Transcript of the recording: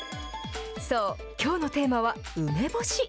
そう、きょうのテーマは梅干し。